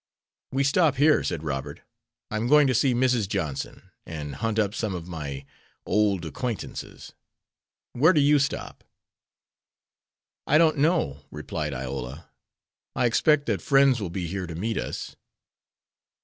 "We stop here," said Robert. "I am going to see Mrs. Johnson, and hunt up some of my old acquaintances. Where do you stop?" "I don't know," replied Iola. "I expect that friends will be here to meet us.